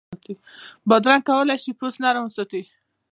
بادرنګ کولای شي پوستکی نرم وساتي.